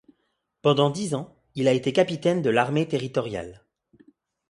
Pendant dix ans, il a été capitaine de l'armée territoriale.